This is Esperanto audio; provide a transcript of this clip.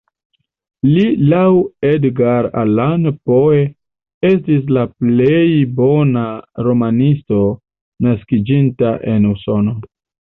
Li laŭ Edgar Allan Poe estis la plej bona romanisto naskiĝinta en Usono.